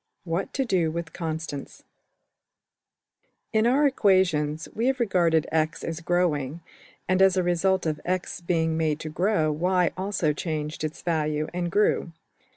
What to do with Constants} \First{In} our equations we have regarded $x$ as growing, and as a result of $x$ being made to grow $y$ also changed its value and grew.